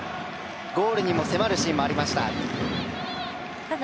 ゴールにも迫るシーンもありました。